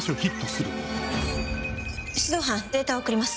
出動班データを送ります。